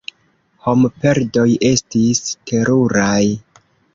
Homperdoj estis teruraj.